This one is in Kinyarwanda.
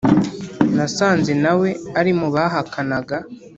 nasanze nawe ari mu bahakanaga